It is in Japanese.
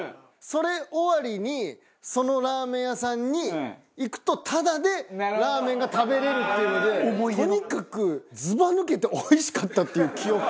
それ終わりにそのラーメン屋さんに行くとタダでラーメンが食べられるっていうのでとにかくズバ抜けておいしかったっていう記憶。